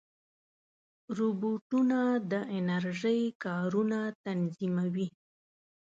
روبوټونه د انرژۍ کارونه تنظیموي.